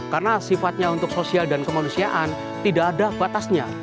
karena sifatnya untuk sosial dan kemanusiaan tidak ada batasnya